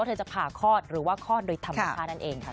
ว่าเธอจะผ่าคลอดหรือว่าคลอดโดยธรรมภาพนั่นเอง